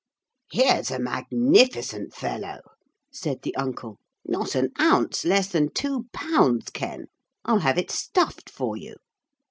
'Here's a magnificent fellow,' said the uncle. 'Not an ounce less than two pounds, Ken. I'll have it stuffed for you.'